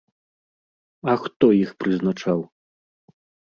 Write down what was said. А хто іх прызначаў?